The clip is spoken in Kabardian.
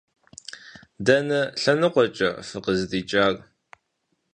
Дэнэ лъэныкъуэкӏэ фыкъыздикӏар?